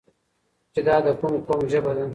چې دا د کوم قوم ژبه ده؟